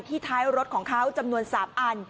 ท้ายรถของเขาจำนวน๓อัน